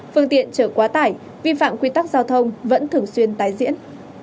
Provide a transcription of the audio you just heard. phương tiện trở quá tải vi phạm quy tắc giao thông vẫn thường xuyên tái diễn